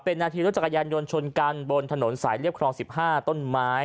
นาทีรถจักรยานยนต์ชนกันบนถนนสายเรียบครอง๑๕ต้นไม้